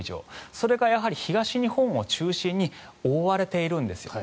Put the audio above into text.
それが東日本を中心に覆われているんですよね。